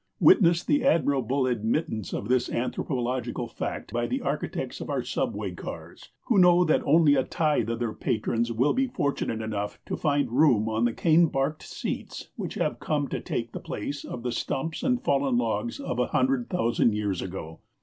Witness the admirable admittance of this anthropological fact by the architects of our subway cars, who know that only a tithe of their patrons will be fortunate enough to find room on the cane barked seats which have come to take the place of the stumps and fallen logs of a hundred thousand years ago.